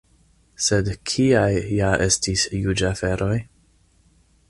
Sed kiaj ja estis juĝaferoj?!